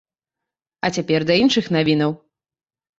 А цяпер да іншых навінаў!